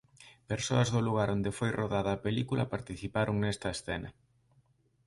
Persoas do lugar onde foi rodada a película participaron nesta escena.